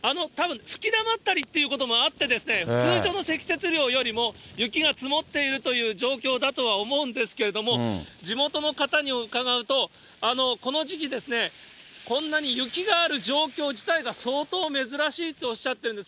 たぶん、ふきだまったりということもあってですね、通常の積雪量よりも雪が積もっているという状況だとは思うんですけれども、地元の方に伺うと、この時期ですね、こんなに雪がある状況自体が相当珍しいとおっしゃってるんです。